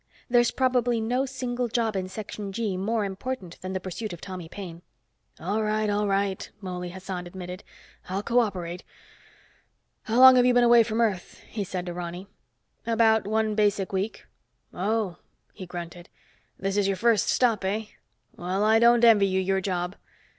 There's probably no single job in Section G more important than the pursuit of Tommy Paine." "All right, all right," Mouley Hassan admitted. "I'll co operate. How long have you been away from Earth?" he said to Ronny. "About one basic week." "Oh," he grunted. "This is your first stop, eh? Well, I don't envy you your job."